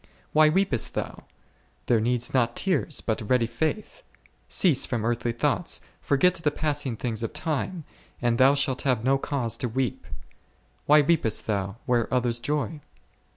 Why weepest thou ? there needs not tears, but ready faith ; cease from earthly thoughts, forget the passing things of time, and thou shalt have no cause to weep. Why weepest thou, where others joy